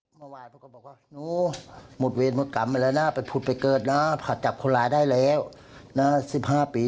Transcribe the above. ทำทุกวันเหรอครับที่จุดภูมิแล้วบอกกับลูกอย่างนี้